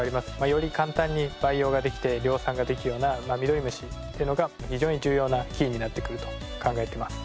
より簡単に培養ができて量産ができるようなミドリムシというのが非常に重要なキーになってくると考えてます。